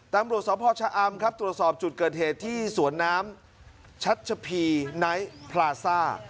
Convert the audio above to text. ตำรวจสพชะอำครับตรวจสอบจุดเกิดเหตุที่สวนน้ำชัชพีไนท์พลาซ่า